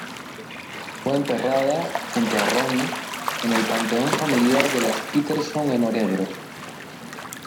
Fue enterrada, junto a Ronnie, en el Panteón familiar de los Peterson en Örebro.